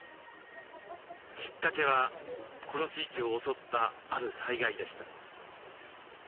きっかけはこの地域を襲ったある災害でした。